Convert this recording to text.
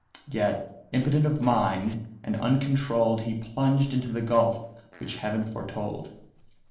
Yet, impotent of mind, and uncontroll'd, He plunged into the gulf which Heaven foretold."